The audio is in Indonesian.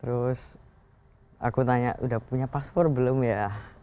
terus aku tanya udah punya paspor belum ya